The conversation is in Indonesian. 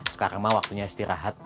sekarang mah waktunya istirahat